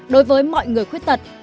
đối với mọi người khuyết thật